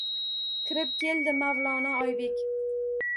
Kirib keldi mavlono Oybek!